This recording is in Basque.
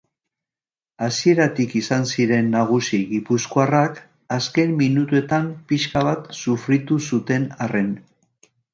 Hasieratik izan ziren nagusi gipuzkoarrak azken minutuetan pixka bat sufritu zuten arren.